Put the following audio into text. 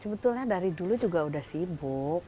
sebetulnya dari dulu juga udah sibuk